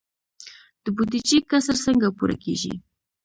د بودیجې کسر څنګه پوره کیږي؟